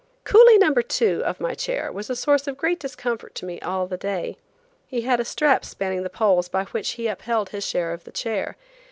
Coolie number two of my chair was a source of great discomfort to me all the day. He had a strap spanning the poles by which he upheld his share of the chair.